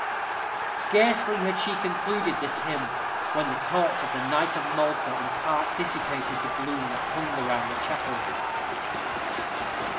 Scarcely had she concluded this hymn, when the torch of the knight of Malta in part dissipated the gloom that hung around the chapel.